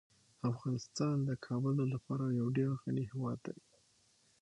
افغانستان د کابل له پلوه یو ډیر غني هیواد دی.